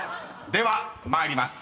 ［では参ります。